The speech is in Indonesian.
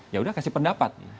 ya udah kasih pendapat